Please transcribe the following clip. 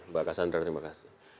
mbak cassandra terima kasih